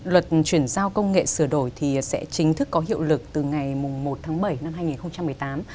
luật chuyển giao công nghệ sửa đổi thì sẽ chính thức có hiệu lực từ ngày một tháng bảy năm hai nghìn một mươi tám